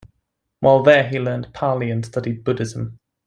While there, he learned Pali and studied Buddhism.